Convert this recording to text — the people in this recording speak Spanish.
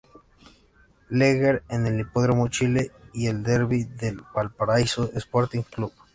Leger en el Hipódromo Chile y El Derby del Valparaíso Sporting Club.